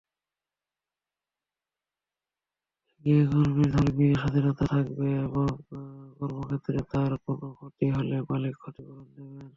গৃহকর্মীর ধর্মীয় স্বাধীনতা থাকবে এবং কর্মক্ষেত্রে তাঁর কোনো ক্ষতি হলে মালিক ক্ষতিপূরণ দেবেন।